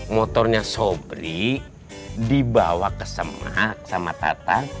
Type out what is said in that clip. motornya sobri dibawa ke semak sama tata